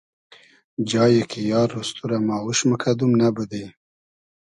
جای کی آر رۉز تو رۂ ما اوش موکئدوم نئبودی